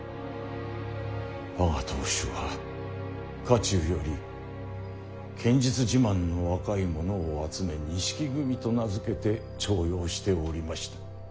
我が当主は家中より剣術自慢の若い者を集め「錦組」と名付けて重用しておりました。